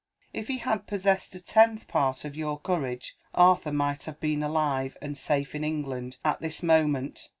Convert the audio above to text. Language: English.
If he had possessed a tenth part of your courage, Arthur might have been alive, and safe in England, at this moment.